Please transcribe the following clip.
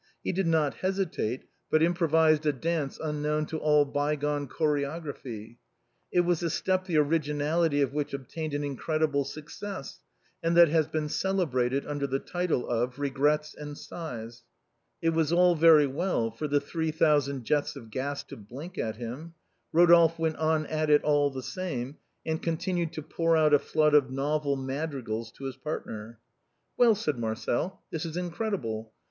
He did not hesitate, but improvised a dance unknown to all by gone chorography. It was a step the originality of which obtained an incredible success, and that has been celebrated under the title of " regrets and sighs." It was all very well for the three thousand jets of gas to blink at him, Rodolphe went on at it all the same, and continued to pour out a flood of novel madrigals to his partner. " Well," said Marcel, " this is incredible.